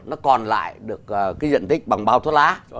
nó còn lại được cái diện tích bằng bao thuốc lá